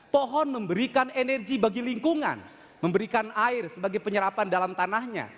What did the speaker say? pohon memberikan energi bagi lingkungan memberikan air sebagai penyerapan dalam tanahnya